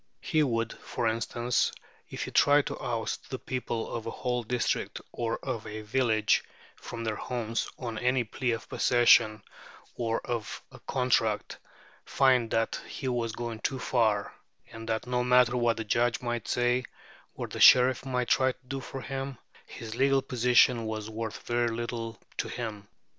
He would, for instance, if he tried to oust the people of a whole district or of a village from their homes on any plea of possession, or of a contract, find that he was going too far, and that no matter what the judges might say, or the sheriff might try to do for him, his legal position was worth very little to him.